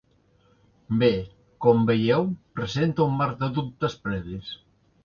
Bé, com veieu, presenta un mar de dubtes previs.